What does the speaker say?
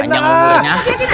panjang om rena